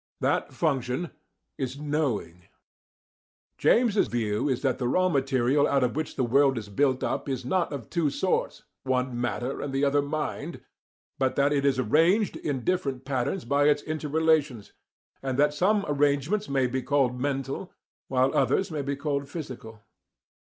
That function is KNOWING"(pp. 3 4). James's view is that the raw material out of which the world is built up is not of two sorts, one matter and the other mind, but that it is arranged in different patterns by its inter relations, and that some arrangements may be called mental, while others may be called physical.